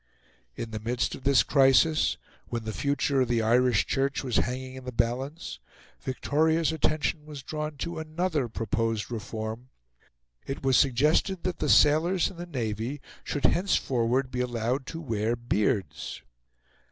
In the midst of this crisis, when the future of the Irish Church was hanging in the balance, Victoria's attention was drawn to another proposed reform. It was suggested that the sailors in the Navy should henceforward be allowed to wear beards.